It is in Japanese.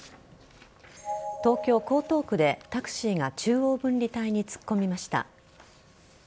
東京・江東区でタクシーが中央分離帯に突っ込みました。